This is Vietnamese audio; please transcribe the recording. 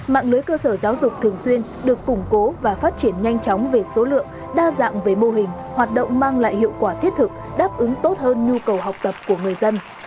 mạng lưới cơ sở giáo dục thường xuyên được củng cố và phát triển nhanh chóng về số lượng đa dạng về mô hình hoạt động mang lại hiệu quả thiết thực đáp ứng tốt hơn nhu cầu học tập của người dân